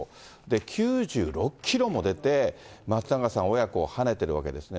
９６キロも出て、松永さん親子をはねてるわけですね。